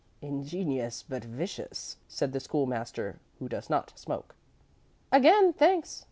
'" "Ingenious, but vicious," said the School master, who does not smoke. "Again thanks.